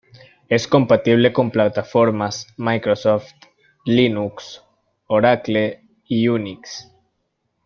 Es compatible con plataformas Microsoft, Linux, Oracle y Unix.